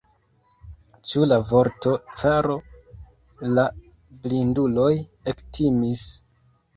Ĉe la vorto "caro" la blinduloj ektimis.